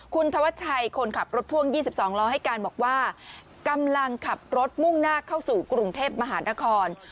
คุณธวัชชัยคนขับรถพ่วง๒๒ล้อให้การบอกว่ากำลังขับรถมุ่งหน้าเข้าสู่กรุงเทพมหานคร